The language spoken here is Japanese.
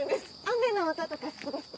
雨の音とか好きです。